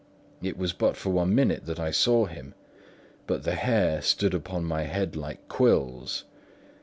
It was but for one minute that I saw him, but the hair stood upon my head like quills.